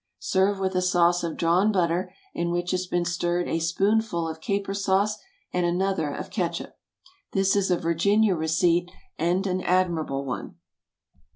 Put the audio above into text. Serve with a sauce of drawn butter, in which has been stirred a spoonful of caper sauce and another of catsup. This is a Virginia receipt, and an admirable one.